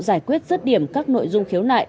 giải quyết rất điểm các nội dung khiếu nại